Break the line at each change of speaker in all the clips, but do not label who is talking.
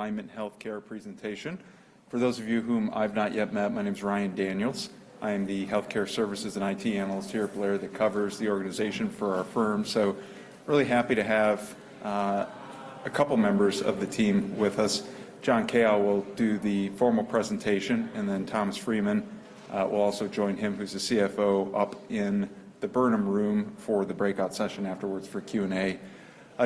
Alignment Healthcare presentation. For those of you whom I've not yet met, my name is Ryan Daniels. I am the Healthcare Services and IT Analyst here at Blair, that covers the organization for our firm. So really happy to have a couple members of the team with us. John Kao will do the formal presentation, and then Thomas Freeman will also join him, who's the CFO up in the Burnham Room for the breakout session afterwards for Q&A.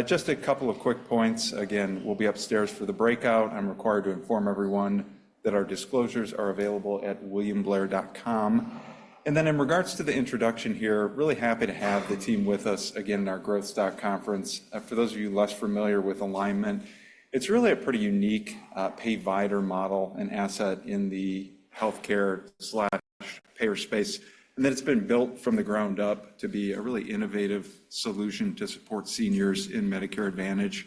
Just a couple of quick points. Again, we'll be upstairs for the breakout. I'm required to inform everyone that our disclosures are available at williamblair.com. And then in regards to the introduction here, really happy to have the team with us again, in our Growth Stock Conference. For those of you less familiar with Alignment, it's really a pretty unique payvider model and asset in the healthcare/payer space, and that it's been built from the ground up to be a really innovative solution to support seniors in Medicare Advantage,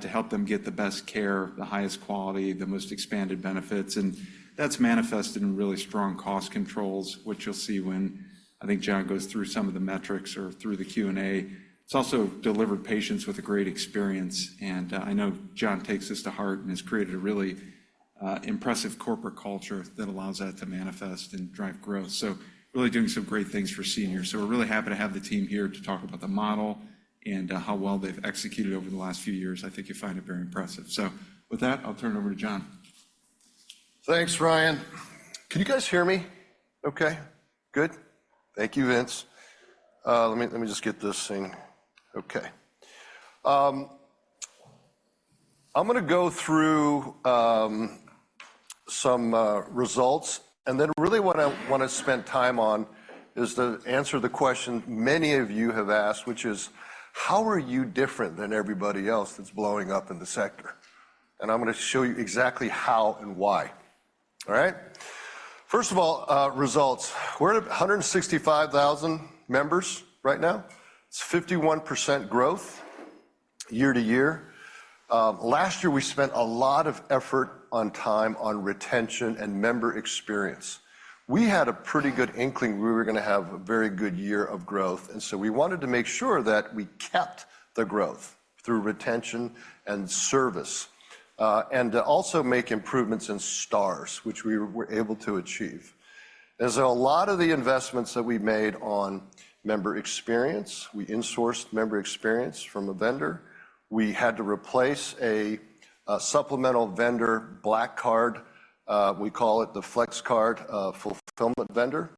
to help them get the best care, the highest quality, the most expanded benefits. And that's manifested in really strong cost controls, which you'll see when, I think John goes through some of the metrics or through the Q&A. It's also delivered patients with a great experience, and, I know John takes this to heart and has created a really impressive corporate culture that allows that to manifest and drive growth. So really doing some great things for seniors. So we're really happy to have the team here to talk about the model and how well they've executed over the last few years. I think you'll find it very impressive. So with that, I'll turn it over to John.
Thanks, Ryan. Can you guys hear me okay? Good. Thank you, Vince. Okay. I'm gonna go through some results, and then really what I wanna spend time on is to answer the question many of you have asked, which is: how are you different than everybody else that's blowing up in the sector? And I'm gonna show you exactly how and why. All right? First of all, results. We're at 165,000 members right now. It's 51% growth year-over-year. Last year, we spent a lot of effort on time, on retention and member experience. We had a pretty good inkling we were gonna have a very good year of growth, and so we wanted to make sure that we kept the growth through retention and service, and to also make improvements in Stars, which we were able to achieve. As a lot of the investments that we made on member experience, we insourced member experience from a vendor. We had to replace a supplemental vendor, Black Card, we call it the Flex Card, fulfillment vendor.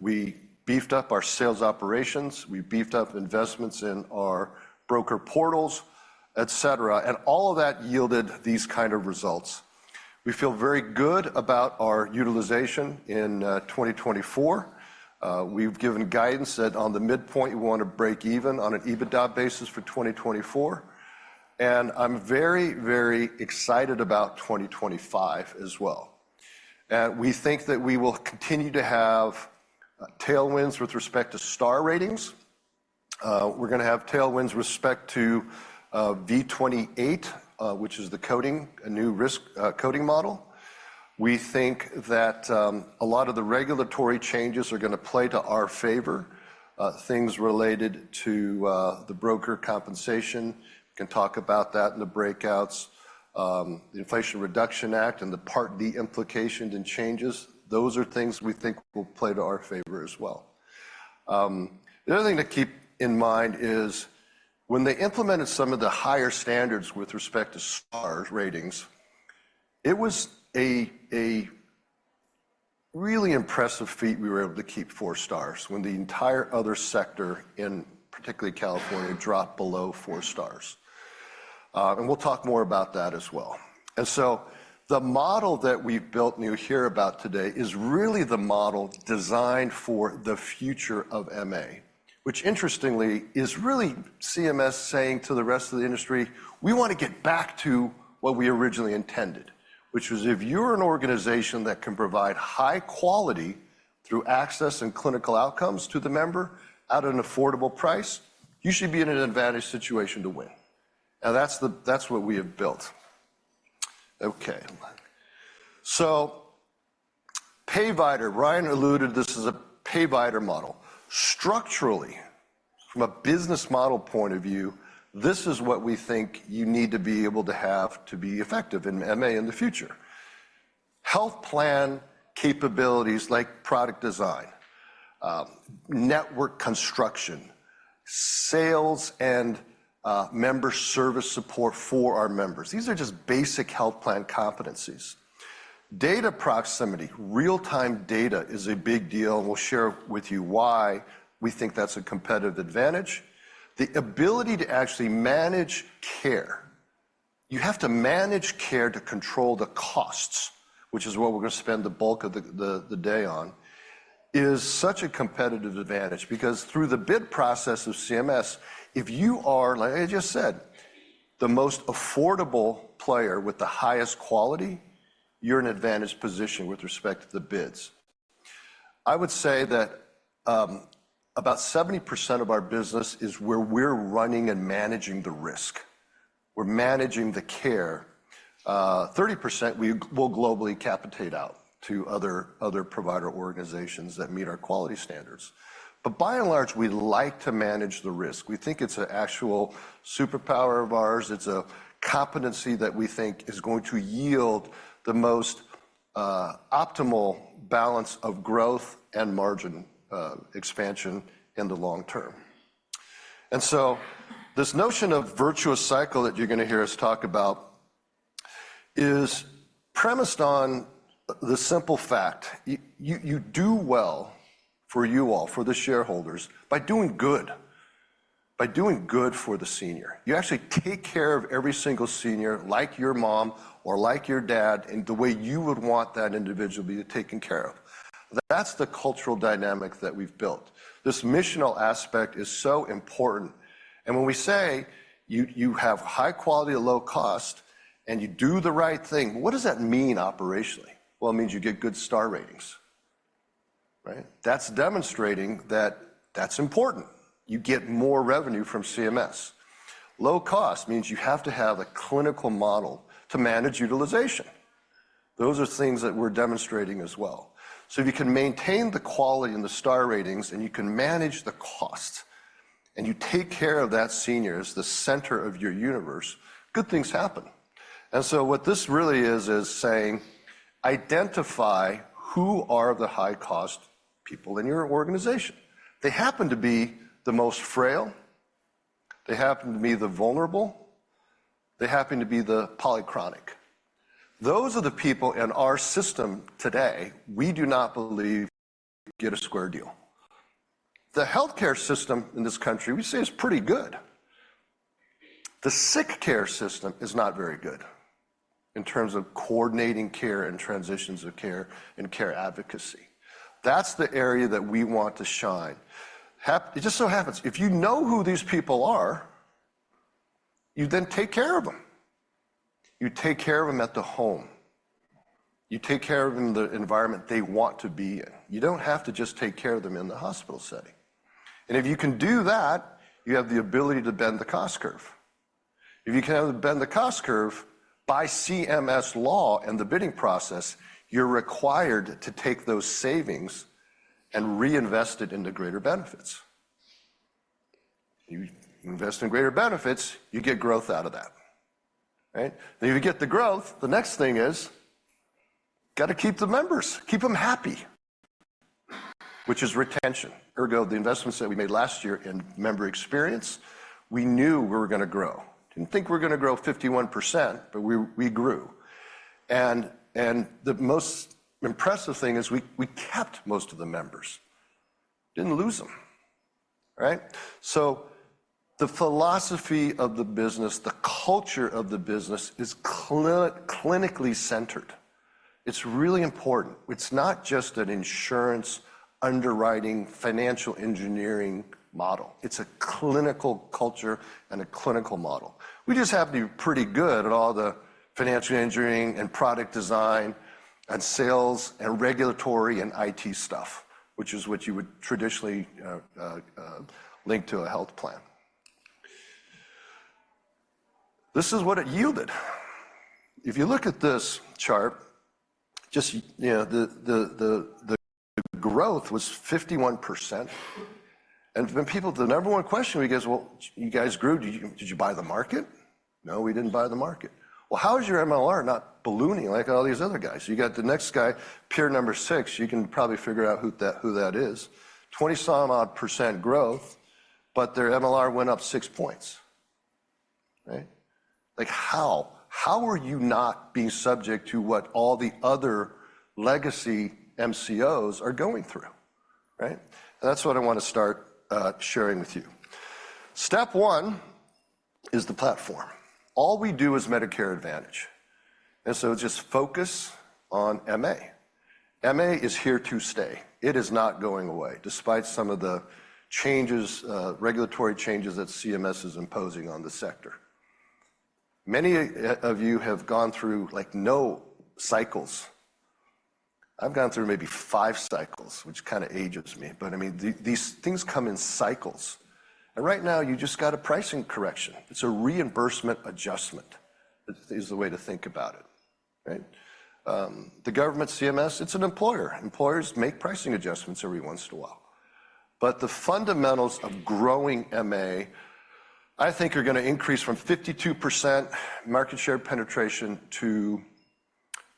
We beefed up our sales operations, we beefed up investments in our broker portals, et cetera, and all of that yielded these kind of results. We feel very good about our utilization in 2024. We've given guidance that on the midpoint, we wanna break even on an EBITDA basis for 2024, and I'm very, very excited about 2025 as well. We think that we will continue to have tailwinds with respect to Star Ratings. We're gonna have tailwinds with respect to V28, which is the coding, a new risk coding model. We think that a lot of the regulatory changes are gonna play to our favor, things related to the broker compensation. We can talk about that in the breakouts. The Inflation Reduction Act and the Part D implications and changes, those are things we think will play to our favor as well. The other thing to keep in mind is, when they implemented some of the higher standards with respect to Star Ratings, it was a really impressive feat we were able to keep four stars when the entire other sector, in particular, California, dropped below four stars. And we'll talk more about that as well. And so the model that we've built and you'll hear about today is really the model designed for the future of MA, which interestingly, is really CMS saying to the rest of the industry, "We wanna get back to what we originally intended," which was, if you're an organization that can provide high quality through access and clinical outcomes to the member at an affordable price, you should be in an advantage situation to win. Now, that's what we have built. Okay. So Payvider, Ryan alluded, this is a Payvider model. Structurally, from a business model point of view, this is what we think you need to be able to have to be effective in MA in the future. Health plan capabilities like product design, network construction, sales, and member service support for our members. These are just basic health plan competencies. Data proximity, real-time data is a big deal, and we'll share with you why we think that's a competitive advantage. The ability to actually manage care. You have to manage care to control the costs, which is what we're gonna spend the bulk of the day on, is such a competitive advantage because through the bid process of CMS, if you are, like I just said, the most affordable player with the highest quality, you're in an advantage position with respect to the bids. I would say that, about 70% of our business is where we're running and managing the risk. We're managing the care. 30%, we'll globally capitate out to other provider organizations that meet our quality standards. But by and large, we like to manage the risk. We think it's an actual superpower of ours. It's a competency that we think is going to yield the most optimal balance of growth and margin expansion in the long term. And so this notion of virtuous cycle that you're gonna hear us talk about is premised on the simple fact, you do well for you all, for the shareholders, by doing good, by doing good for the senior. You actually take care of every single senior, like your mom or like your dad, in the way you would want that individual be taken care of. That's the cultural dynamic that we've built. This missional aspect is so important, and when we say, you have high quality at low cost, and you do the right thing, what does that mean operationally? Well, it means you get good Star Ratings, right? That's demonstrating that that's important. You get more revenue from CMS. Low cost means you have to have a clinical model to manage utilization. Those are things that we're demonstrating as well. So if you can maintain the quality and the Star Ratings, and you can manage the cost, and you take care of that senior as the center of your universe, good things happen. And so what this really is, is saying: Identify who are the high-cost people in your organization. They happen to be the most frail. They happen to be the vulnerable. They happen to be the polychronic. Those are the people in our system today, we do not believe get a square deal. The healthcare system in this country, we say, is pretty good. The sick care system is not very good in terms of coordinating care and transitions of care and care advocacy. That's the area that we want to shine. It just so happens, if you know who these people are, you then take care of them. You take care of them at the home. You take care of them in the environment they want to be in. You don't have to just take care of them in the hospital setting. If you can do that, you have the ability to bend the cost curve. If you can bend the cost curve, by CMS law and the bidding process, you're required to take those savings and reinvest it into greater benefits. You invest in greater benefits, you get growth out of that, right? If you get the growth, the next thing is, gotta keep the members, keep them happy, which is retention. Ergo, the investments that we made last year in member experience, we knew we were gonna grow. Didn't think we're gonna grow 51%, but we grew. And the most impressive thing is we kept most of the members. Didn't lose them, right? So the philosophy of the business, the culture of the business is clinically centered. It's really important. It's not just an insurance, underwriting, financial engineering model. It's a clinical culture and a clinical model. We just happen to be pretty good at all the financial engineering and product design and sales and regulatory and IT stuff, which is what you would traditionally link to a health plan. This is what it yielded. If you look at this chart, just, you know, the growth was 51%. And when people, the number one question we get is, "Well, you guys grew. Did you buy the market?" No, we didn't buy the market. Well, how is your MLR not ballooning like all these other guys?" You got the next guy, peer number six, you can probably figure out who that is. 20-some-odd% growth, but their MLR went up six points, right? Like, how? How are you not being subject to what all the other legacy MCOs are going through, right? And that's what I want to start sharing with you. Step one is the platform. All we do is Medicare Advantage, and so just focus on MA. MA is here to stay. It is not going away, despite some of the changes, regulatory changes that CMS is imposing on the sector. Many of you have gone through, like, no cycles. I've gone through maybe 5 cycles, which kinda ages me, but, I mean, these things come in cycles. And right now, you just got a pricing correction. It's a reimbursement adjustment, is the way to think about it, right? The government, CMS, it's an employer. Employers make pricing adjustments every once in a while. But the fundamentals of growing MA, I think, are gonna increase from 52% market share penetration to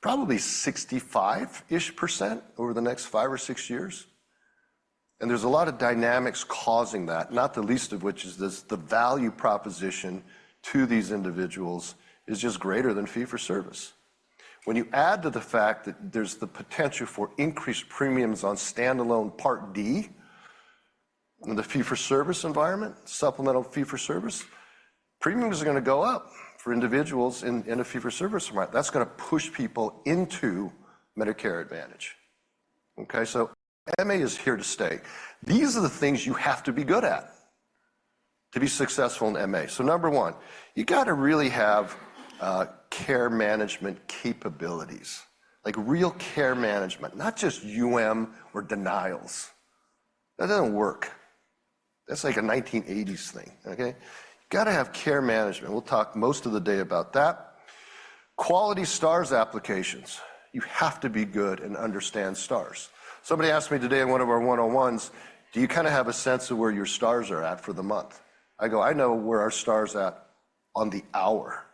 probably 65-ish% over the next five or six years. And there's a lot of dynamics causing that, not the least of which is this, the value proposition to these individuals is just greater than fee-for-service. When you add to the fact that there's the potential for increased premiums on standalone Part D in the fee-for-service environment, supplemental fee-for-service, premiums are gonna go up for individuals in a fee-for-service environment. That's gonna push people into Medicare Advantage. Okay, so MA is here to stay. These are the things you have to be good at to be successful in MA. So number one, you gotta really have care management capabilities, like real care management, not just UM or denials. That doesn't work. That's like a 1980s thing, okay? Gotta have care management. We'll talk most of the day about that. Quality Stars applications. You have to be good and understand Stars. Somebody asked me today in one of our one-on-ones, "Do you kinda have a sense of where your Stars are at for the month?" I go, "I know where our stars at on the hour.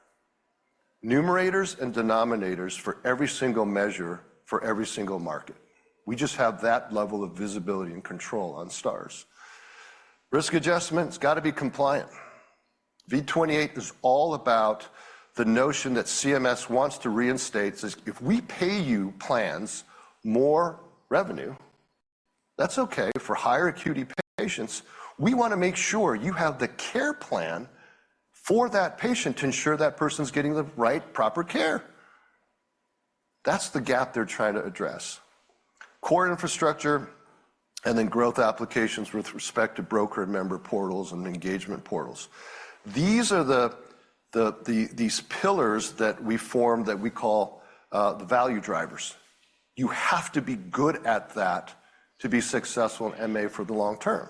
Numerators and denominators for every single measure, for every single market. We just have that level of visibility and control on Stars. Risk adjustment, it's gotta be compliant. V28 is all about the notion that CMS wants to reinstate, is if we pay you plans more revenue, that's okay for higher acuity patients, we wanna make sure you have the care plan for that patient to ensure that person's getting the right, proper care. That's the gap they're trying to address. Core infrastructure and then growth applications with respect to broker and member portals and engagement portals. These are the these pillars that we form, that we call the value drivers. You have to be good at that to be successful in MA for the long term.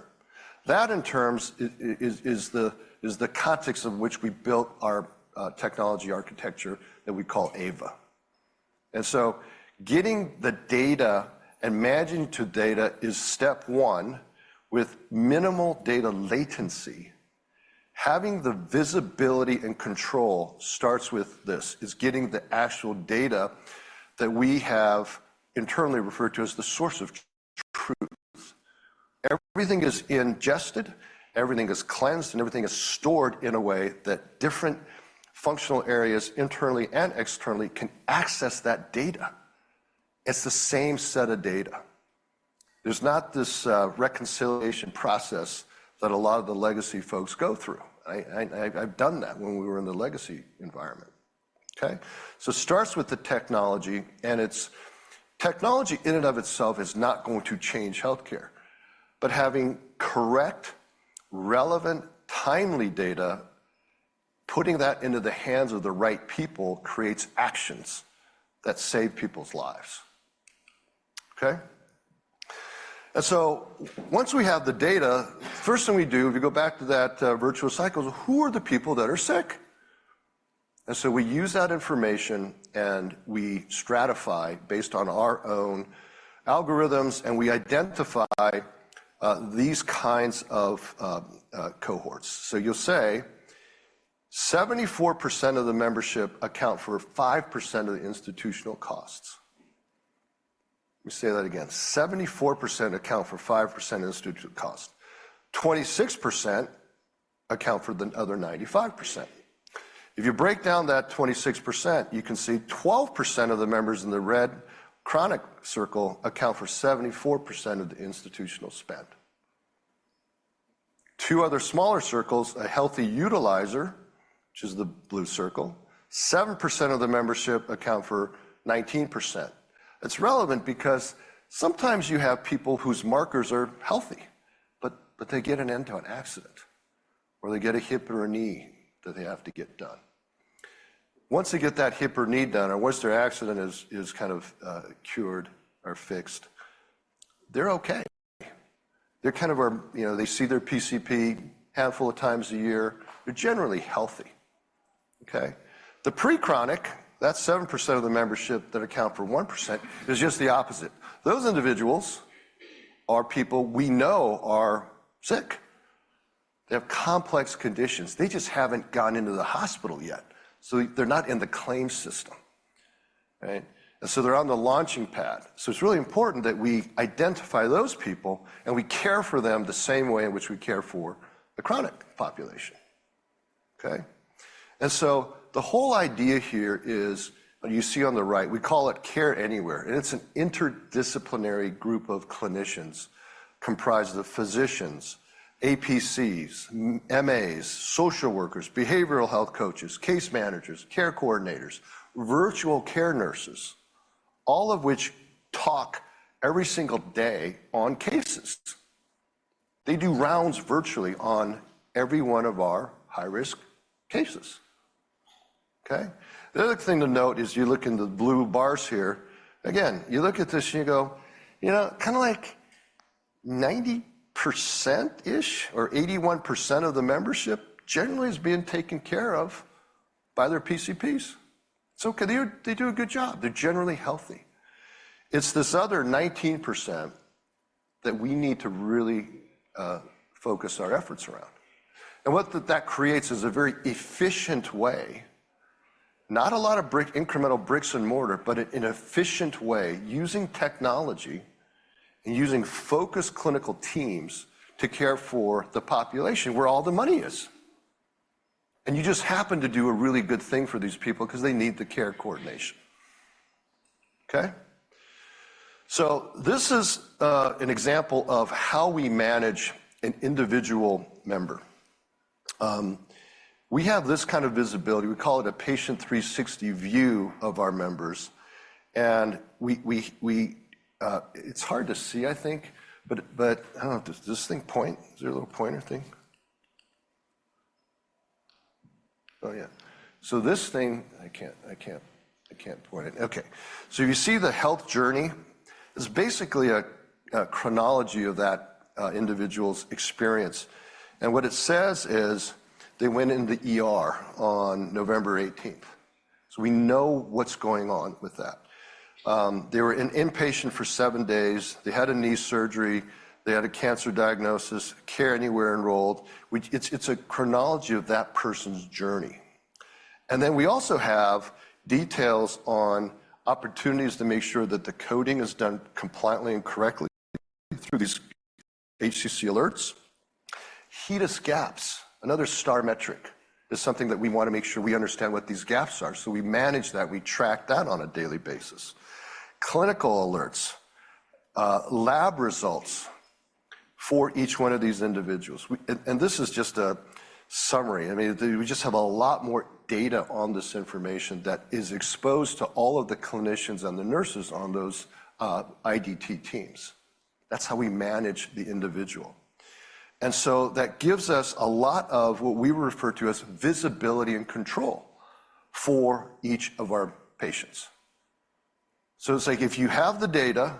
That, in terms, is the context of which we built our technology architecture that we call AVA. And so getting the data and managing to data is step one, with minimal data latency. Having the visibility and control starts with this, is getting the actual data that we have internally referred to as the source of truth. Everything is ingested, everything is cleansed, and everything is stored in a way that different functional areas, internally and externally, can access that data. It's the same set of data. There's not this reconciliation process that a lot of the legacy folks go through. I've done that when we were in the legacy environment. Okay? So it starts with the technology, and it's... Technology in and of itself is not going to change healthcare. But having correct, relevant, timely data, putting that into the hands of the right people, creates actions that save people's lives. Okay? And so once we have the data, first thing we do, if you go back to that virtual cycle, who are the people that are sick? And so we use that information, and we stratify based on our own algorithms, and we identify these kinds of cohorts. So you'll say 74% of the membership account for 5% of the institutional costs. Let me say that again. 74% account for 5% of the institutional cost. 26% account for the other 95%. If you break down that 26%, you can see 12% of the members in the red chronic circle account for 74% of the institutional spend. Two other smaller circles, a healthy utilizer, which is the blue circle, 7% of the membership account for 19%. It's relevant because sometimes you have people whose markers are healthy, but they get into an accident, or they get a hip or a knee that they have to get done. Once they get that hip or knee done, or once their accident is kind of cured or fixed, they're okay. They're kind of our, you know, they see their PCP a handful of times a year. They're generally healthy, okay? The pre-chronic, that's 7% of the membership that account for 1%, is just the opposite. Those individuals are people we know are sick. They have complex conditions. They just haven't gone into the hospital yet, so they're not in the claims system, right? And so they're on the launching pad. So it's really important that we identify those people, and we care for them the same way in which we care for the chronic population, okay? And so the whole idea here is, and you see on the right, we call it Care Anywhere, and it's an interdisciplinary group of clinicians comprised of physicians, APCs, MAs, social workers, behavioral health coaches, case managers, care coordinators, virtual care nurses, all of which talk every single day on cases. They do rounds virtually on every one of our high-risk cases, okay? The other thing to note is, you look in the blue bars here. Again, you look at this and you go, "You know, kinda like 90%-ish or 81% of the membership generally is being taken care of by their PCPs." So they, they do a good job. They're generally healthy. It's this other 19% that we need to really focus our efforts around. And what that creates is a very efficient way, not a lot of brick, incremental bricks and mortar, but an efficient way using technology and using focused clinical teams to care for the population where all the money is. And you just happen to do a really good thing for these people 'cause they need the care coordination. Okay? So this is an example of how we manage an individual member. We have this kind of visibility. We call it a Patient 360 View of our members, and it's hard to see, I think, but I don't know, does this thing point? Is there a little pointer thing? Oh, yeah. So this thing I can't point it. Okay, so you see the health journey? It's basically a chronology of that individual's experience, and what it says is they went in the ER on November eighteenth. So we know what's going on with that. They were in inpatient for seven days. They had a knee surgery, they had a cancer diagnosis, Care Anywhere enrolled, which is a chronology of that person's journey. And then we also have details on opportunities to make sure that the coding is done compliantly and correctly through these HCC alerts. HEDIS gaps, another star metric, is something that we wanna make sure we understand what these gaps are. So we manage that, we track that on a daily basis. Clinical alerts, lab results for each one of these individuals. And this is just a summary. I mean, we just have a lot more data on this information that is exposed to all of the clinicians and the nurses on those IDT teams. That's how we manage the individual. And so that gives us a lot of what we refer to as visibility and control for each of our patients. So it's like if you have the data,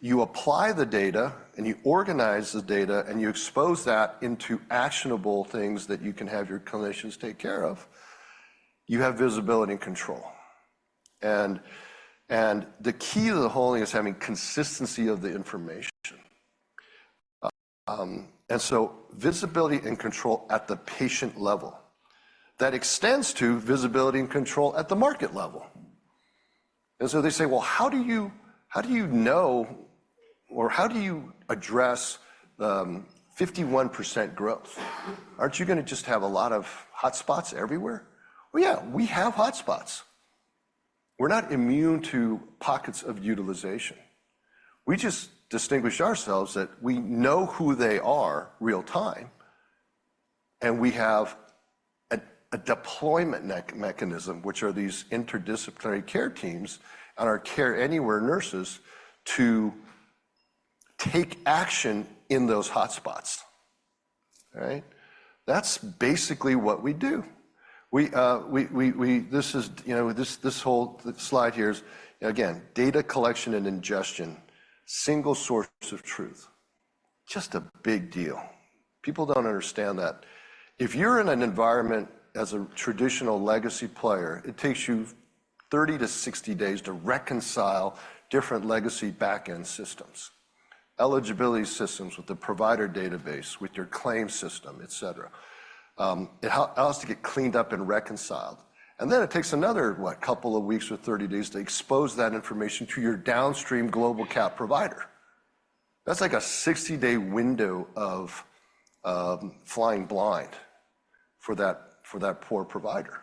you apply the data, and you organize the data, and you expose that into actionable things that you can have your clinicians take care of, you have visibility and control. And, and the key to the whole thing is having consistency of the information. And so visibility and control at the patient level, that extends to visibility and control at the market level. And so they say: "Well, how do you, how do you know, or how do you address, 51% growth? Aren't you gonna just have a lot of hotspots everywhere?" Well, yeah, we have hotspots. We're not immune to pockets of utilization. We just distinguish ourselves that we know who they are real time, and we have a deployment mechanism, which are these interdisciplinary care teams and our Care Anywhere nurses to take action in those hotspots. All right? That's basically what we do. We... This is, you know, this, this whole slide here is, again, data collection and ingestion, single source of truth. Just a big deal. People don't understand that. If you're in an environment as a traditional legacy player, it takes you 30-60 days to reconcile different legacy back-end systems, eligibility systems with the provider database, with your claim system, et cetera. It has to get cleaned up and reconciled, and then it takes another, what, couple of weeks or 30 days to expose that information to your downstream global cap provider. That's like a 60-day window of flying blind for that, for that poor provider,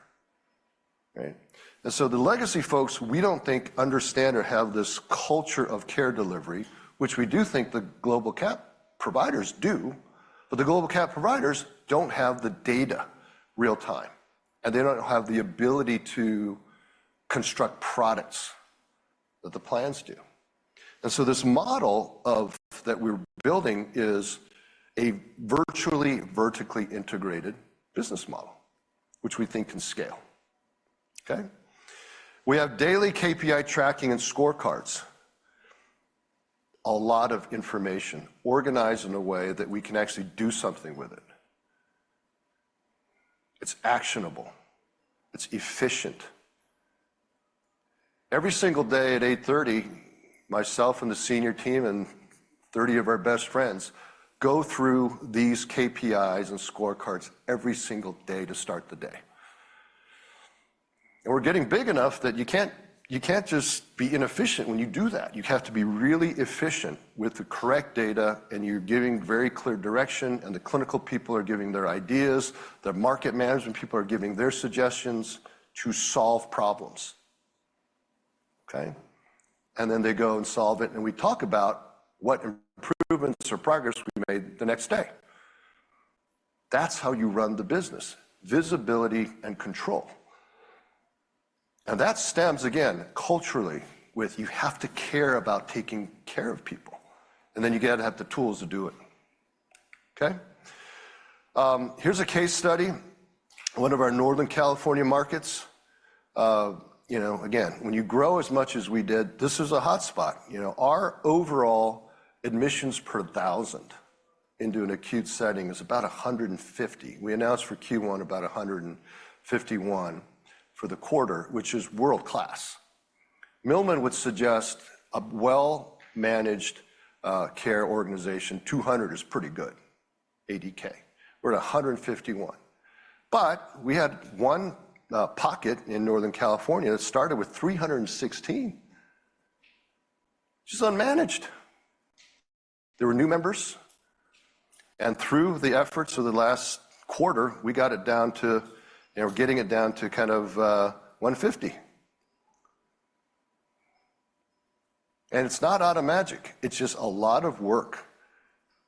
right? And so the legacy folks, we don't think understand or have this culture of care delivery, which we do think the global cap providers do, but the global cap providers don't have the data real time, and they don't have the ability to construct products that the plans do. And so this model that we're building is a virtually vertically integrated business model, which we think can scale, okay? We have daily KPI tracking and scorecards. A lot of information organized in a way that we can actually do something with it. It's actionable, it's efficient. Every single day at 8:30 A.M., myself and the senior team and 30 of our best friends go through these KPIs and scorecards every single day to start the day. And we're getting big enough that you can't, you can't just be inefficient when you do that. You have to be really efficient with the correct data, and you're giving very clear direction, and the clinical people are giving their ideas, the market management people are giving their suggestions to solve problems, okay? And then they go and solve it, and we talk about what improvements or progress we made the next day. That's how you run the business: visibility and control. And that stems, again, culturally, with you have to care about taking care of people, and then you gotta have the tools to do it, okay? Here's a case study, one of our Northern California markets. You know, again, when you grow as much as we did, this is a hotspot. You know, our overall admissions per thousand into an acute setting is about 150. We announced for Q1 about 151 for the quarter, which is world-class. Milliman would suggest a well-managed, care organization, 200 is pretty good, ADK. We're at 151. But we had one, pocket in Northern California that started with 316, just unmanaged. There were new members, and through the efforts of the last quarter, we got it down to, you know, we're getting it down to kind of, 150. And it's not out of magic, it's just a lot of work.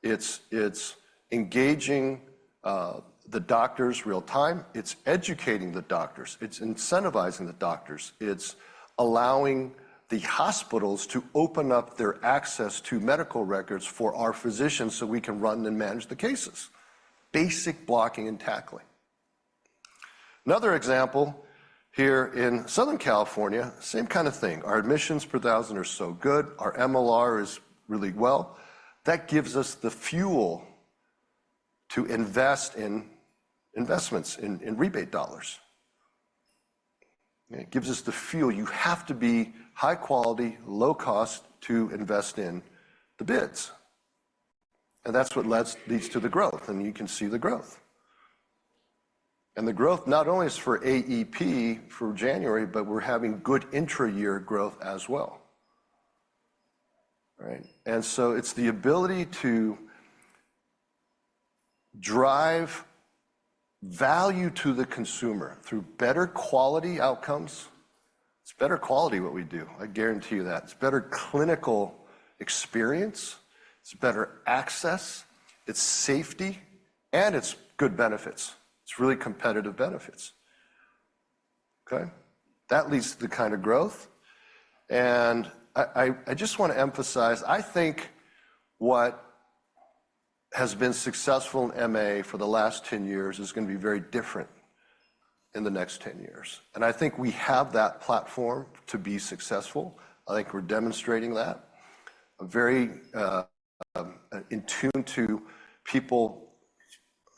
It's, it's engaging the doctors real time, it's educating the doctors, it's incentivizing the doctors, it's allowing the hospitals to open up their access to medical records for our physicians, so we can run and manage the cases. Basic blocking and tackling. Another example here in Southern California, same kind of thing. Our admissions per 1,000 are so good. Our MLR is really well. That gives us the fuel to invest in investments in rebate dollars. It gives us the fuel you have to be high quality, low cost to invest in the bids. And that's what leads to the growth, and you can see the growth. And the growth not only is for AEP for January, but we're having good intra-year growth as well, right? And so it's the ability to drive value to the consumer through better quality outcomes. It's better quality what we do, I guarantee you that. It's better clinical experience, it's better access, it's safety, and it's good benefits. It's really competitive benefits, okay? That leads to the kind of growth, and I just want to emphasize, I think what has been successful in MA for the last 10 years is gonna be very different in the next 10 years. And I think we have that platform to be successful. I think we're demonstrating that. A very in tune to people...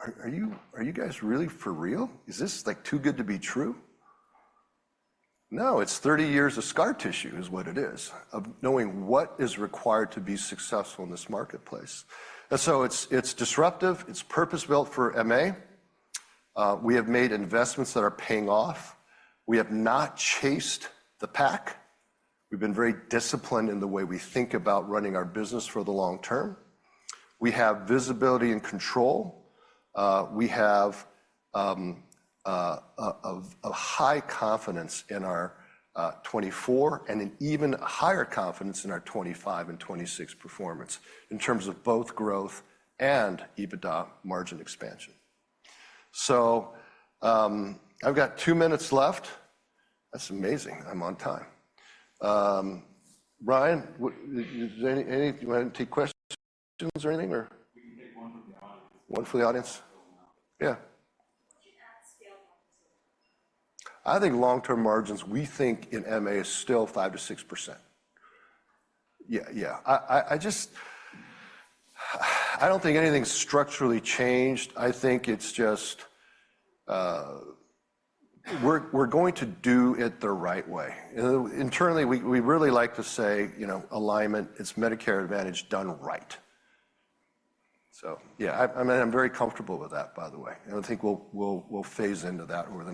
Are, are you, are you guys really for real? Is this, like, too good to be true? No, it's 30 years of scar tissue, is what it is, of knowing what is required to be successful in this marketplace. And so it's disruptive, it's purpose-built for MA. We have made investments that are paying off. We have not chased the pack. We've been very disciplined in the way we think about running our business for the long term. We have visibility and control. We have a high confidence in our 2024, and an even higher confidence in our 2025 and 2026 performance, in terms of both growth and EBITDA margin expansion. So, I've got two minutes left. That's amazing, I'm on time. Ryan, you wanna take questions or anything, or?
We can take one from the audience.
One from the audience?
Yeah.
Yeah.
What should at scale margins look like?
I think long-term margins, we think in MA is still 5%-6%. Yeah, yeah. I just don't think anything's structurally changed. I think it's just... We're going to do it the right way. Internally, we really like to say, you know, Alignment, it's Medicare Advantage done right. So yeah, I mean, I'm very comfortable with that, by the way, and I think we'll phase into that where that-